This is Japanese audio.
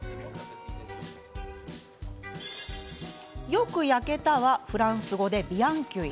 「よく焼けた」はフランス語でビアン・キュイ。